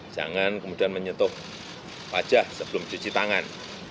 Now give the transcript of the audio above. jangan kemudian menyentuh wajah sebelum cuci tangan